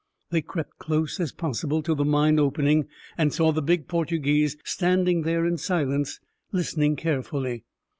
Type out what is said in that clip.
They crept close as possible to the mine opening, and saw the big Portuguese standing there in silence, listening carefully.